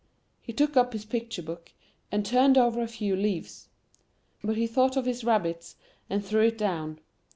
He took up his picture book, and turned over a few leaves; but he thought of his rabbits, and threw it down.